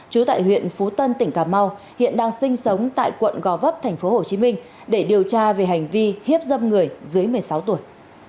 trú tại huyện phú tân tỉnh cà mau hiện đang sinh sống tại quận gò vấp tp hcm để điều tra về hành vi hiếp dâm người dưới một mươi sáu tuổi